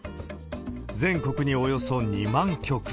全国におよそ２万局。